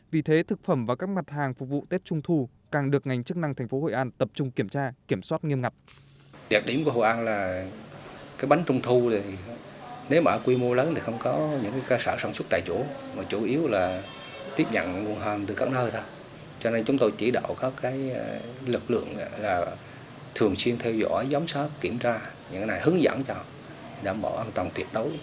vì thế thực phẩm và các mặt hàng phục vụ tết trung thu càng được ngành chức năng thành phố hội an tập trung kiểm tra kiểm soát nghiêm ngặt